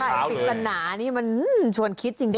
ถ้าถ่ายคลิปกันหนานี่มันชวนคิดจริง